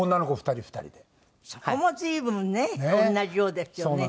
そこも随分ね同じようですよね。